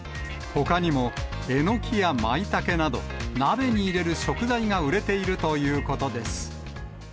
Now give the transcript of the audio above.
ほかにもえのきやまいたけなど、鍋に入れる食材が売れているということです。